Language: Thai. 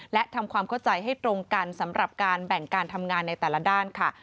และทำความเข้าใจให้ตรงกันสำหรับการแบ่งการทำงานในแต่ละด้านค่ะ